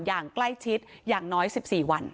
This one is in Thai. อย่างใกล้ชิดอย่างน้อย๑๔วัน